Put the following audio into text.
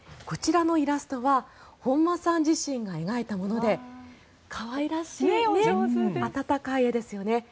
こちらのイラストは本間さん自身が描いたもので可愛らしい温かい絵ですよね。